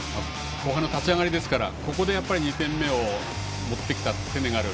後半の立ち上がりですからここで２点目を持ってきたセネガル。